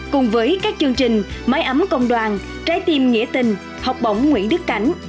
cùng với các chương trình máy ấm công đoàn trái tim nghĩa tình học bổng nguyễn đức cảnh